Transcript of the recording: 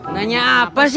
nanya apa sih